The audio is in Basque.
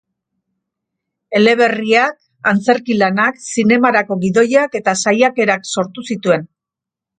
Eleberriak, antzerki lanak, zinemarako gidoiak eta saiakerak sortu zituen.